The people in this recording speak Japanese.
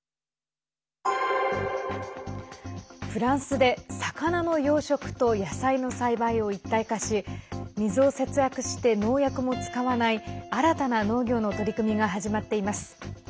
フランスで、魚の養殖と野菜の栽培を一体化し水を節約して農薬も使わない新たな農業の取り組みが始まっています。